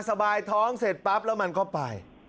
สบายท้องเสร็จปั๊บแล้วมันก็ไป